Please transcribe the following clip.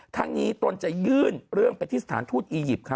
ทั้งนี้ตนจะยื่นเรื่องไปที่สถานทูตอียิปต์ค่ะ